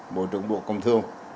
bộ trưởng bộ công thương